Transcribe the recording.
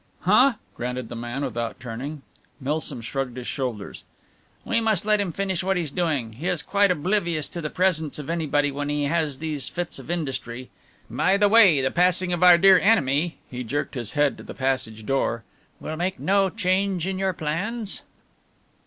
"Huh!" grunted the man without turning. Milsom shrugged his shoulders. "We must let him finish what he's doing. He is quite oblivious to the presence of anybody when he has these fits of industry. By the way, the passing of our dear enemy" he jerked his head to the passage door "will make no change in your plans?"